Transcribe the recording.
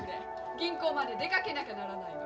銀行まで出かけなきゃならないの。